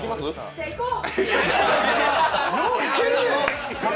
じゃあ、いこう！